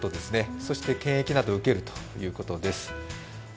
そして検疫などを受けるということです。